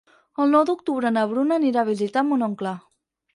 El nou d'octubre na Bruna anirà a visitar mon oncle.